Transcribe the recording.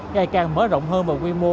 ngày càng mở rộng hơn vào quy mô